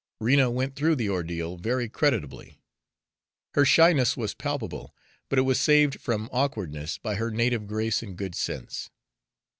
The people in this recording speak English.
Rena went through the ordeal very creditably. Her shyness was palpable, but it was saved from awkwardness by her native grace and good sense.